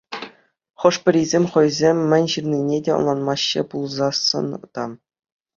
Хӑшпӗрисем хӑйсем мӗн ҫырнине те ӑнланмаҫҫӗ пулсассӑн та.